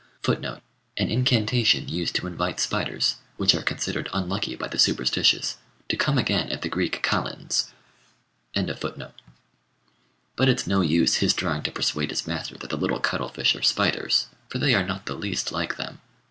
" [Footnote 98: An incantation used to invite spiders, which are considered unlucky by the superstitious, to come again at the Greek Kalends.] But it's no use his trying to persuade his master that the little cuttlefish are spiders, for they are not the least like them.